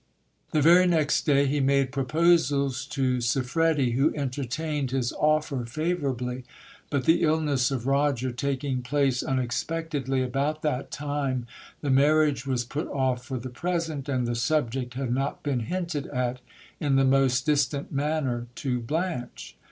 The very next day, he made proposals to Siffredi, who entertained his offer favourably ; but the illness of Roger taking place un expectedly about that time, the marriage was put off for the present, and the subject had not been hinted at in the most distant manner to Blanche.